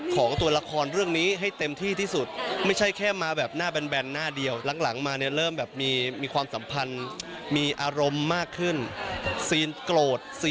ขอตัวละครเรื่องนี้ให้เต็มที่ที่สุด